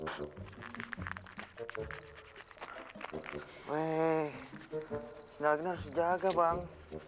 sandal gini harus dijaga bang